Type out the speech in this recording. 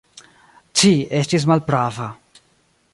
Ci estis malprava.